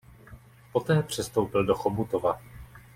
Poté přestoupil do Chomutova.